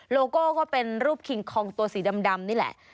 โลโก้ก็เป็นรูปคิงคองตัวสีดำนี่แหละ